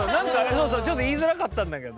そうそうちょっと言いずらかったんだけど。